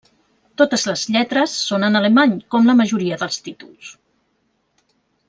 Totes les lletres són en alemany, com la majoria dels títols.